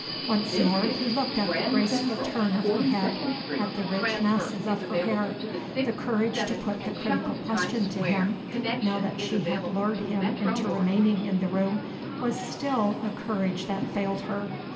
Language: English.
Once more he looked at the graceful turn of her head, at the rich masses of her hair. The courage to put the critical question to him, now that she had lured him into remaining in the room, was still a courage that failed her.